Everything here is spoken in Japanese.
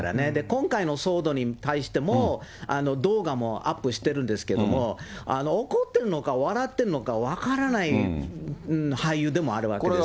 今回の騒動に対しても、動画もアップしてるんですけども、怒ってるのか笑ってるのか分からない俳優でもあるわけですよね。